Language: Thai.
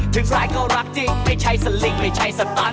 สุดท้ายเขารักจริงไม่ใช่สลิงไม่ใช่สตัน